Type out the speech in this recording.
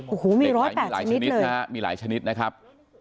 โอ้โหมีร้อยแปดชนิดเลยมีหลายชนิดนะครับ